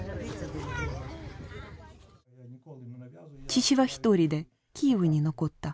父は一人でキーウに残った。